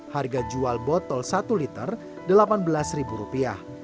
harga jual botol satu liter delapan belas rupiah